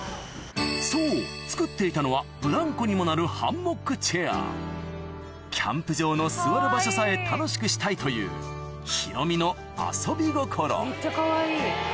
そう作っていたのはブランコにもなるキャンプ場の座る場所さえ楽しくしたいというヒロミの遊び心めっちゃかわいい。